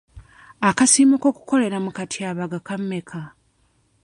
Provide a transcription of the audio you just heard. Akasiimo k'okukolera mu katyabaga ka mmeka?